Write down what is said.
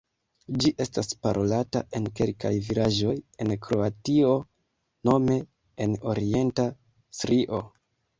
Ĝi estas parolata en kelkaj vilaĝoj en Kroatio nome en orienta Istrio.